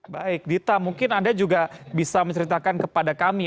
baik dita mungkin anda juga bisa menceritakan kepada kami